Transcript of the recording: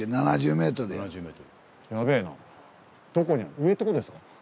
上ってことですか？